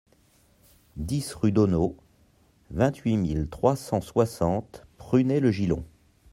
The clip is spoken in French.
dix rue d'Auneau, vingt-huit mille trois cent soixante Prunay-le-Gillon